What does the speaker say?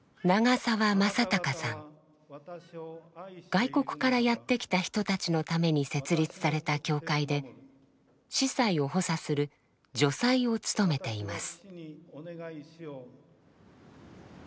外国からやって来た人たちのために設立された教会で司祭を補佐する「助祭」を務めています。